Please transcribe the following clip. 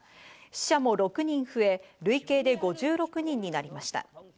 死者も６人に増え、累計で５６人になりました。